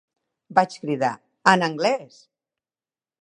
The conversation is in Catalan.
Vaig cridar, en anglès